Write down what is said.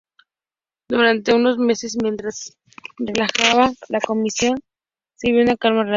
Durante unos meses, mientras trabajaba la Comisión, se vivió una calma relativa.